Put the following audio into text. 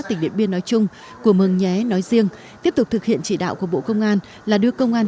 tỉnh điện biên nói chung của mường nhé nói riêng tiếp tục thực hiện chỉ đạo của bộ công an là đưa công an